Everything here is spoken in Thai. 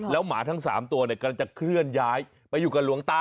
หมาทั้ง๓ตัวกำลังจะเคลื่อนย้ายไปอยู่กับหลวงตา